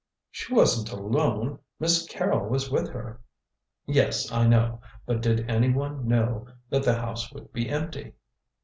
"She wasn't alone. Miss Carrol was with her." "Yes, I know. But did anyone know that the house would be empty?"